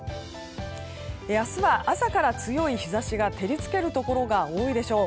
明日は、朝から強い日差しが照り付けるところが多いでしょう。